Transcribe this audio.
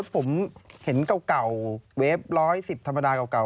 ผมเห็นเครื่องเก่า